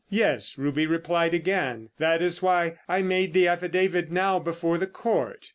"Yes," Ruby replied again. "That is why I made the affidavit now before the Court."